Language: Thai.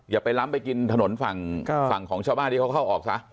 อย่าไปล้ำไปกินถนนฝั่งของชาวบ้านที่เขาเข้าออกซะ